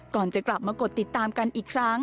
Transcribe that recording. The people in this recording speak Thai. ก่อนจะกลับมากดติดตามกันอีกครั้ง